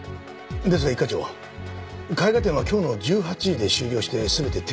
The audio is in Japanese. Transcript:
ですが一課長絵画展は今日の１８時で終了して全て撤去。